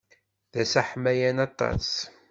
D ass aḥmayan aṭas.